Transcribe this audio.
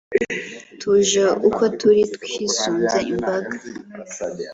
tuje uko turi, twisunze imbaga